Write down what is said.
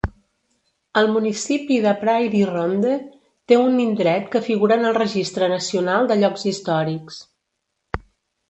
El municipi de Prairie Ronde té un indret que figura en el Registre Nacional de Llocs Històrics.